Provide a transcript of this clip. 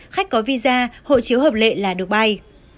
khách có visa hộ chiếu hợp lệ là được bay